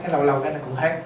lâu lâu cái này cũng hết